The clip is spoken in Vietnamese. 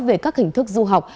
về các hình thức du học